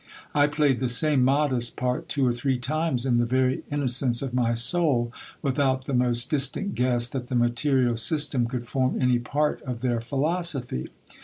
I played the same modest part two or three times in the very inno cence of my soul, without the most distant guess that the material system could form any part of their philosophy.